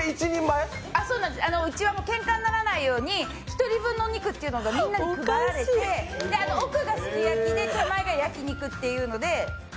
うちはけんかにならないように１人分のお肉っていうのがみんなに配られて、奥がすき焼きで手前が焼き肉というので。